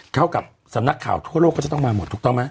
เข้ากับสำนักข่าวทั่วโลกก็จะต้องมาหมดถูกต้องไหม